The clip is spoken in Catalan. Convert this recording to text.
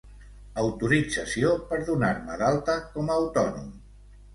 Autorització per donar-me d'alta com a autònom.